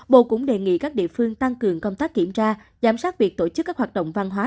bộ cũng đề nghị các địa phương tăng cường công tác kiểm tra giám sát việc tổ chức các hoạt động văn hóa